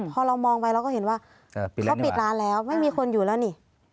พอเรามองไปเราก็เห็นว่าเขาปิดร้านแล้วไม่มีคนอยู่แล้วนี่